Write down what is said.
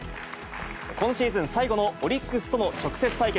今シーズン最後のオリックスとの直接対決。